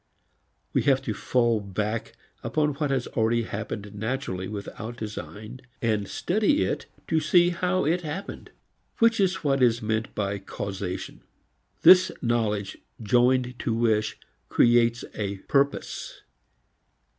We have to fall back upon what has already happened naturally without design, and study it to see how it happened, which is what is meant by causation. This knowledge joined to wish creates a purpose.